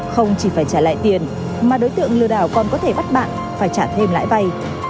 không chỉ phải trả lại tiền mà đối tượng lừa đảo còn có thể bắt bạn phải trả thêm lãi vay